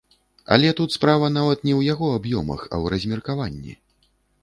Але тут справа нават не ў яго аб'ёмах, а ў размеркаванні.